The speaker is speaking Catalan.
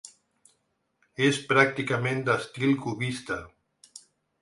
És pràcticament d'estil cubista.